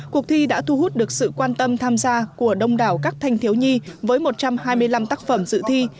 cuộc thi đã thu hút được sự quan tâm tham gia của đông đảo các thanh thiếu nhi với một trăm hai mươi năm tác phẩm dự thi